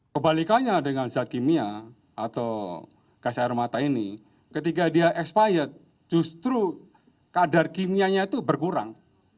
kebalikannya dengan zat kimia atau gas air mata ini ketika dia expiet justru kadar kimianya itu berkurang